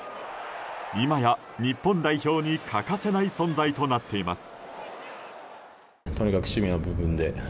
いまや日本代表に欠かせない存在となっています。